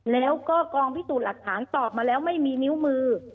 แล้วก็กองพิสูจน์หลักฐานตอบมาแล้วไม่มีนิ้วมือ